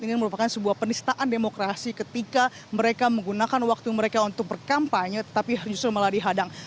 ini merupakan sebuah penistaan demokrasi ketika mereka menggunakan waktu mereka untuk berkampanye tetapi justru malah dihadang